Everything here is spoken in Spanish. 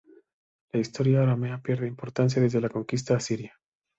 La historia aramea pierde importancia desde la conquista asiria.